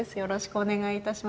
お願いします。